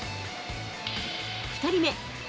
２人目。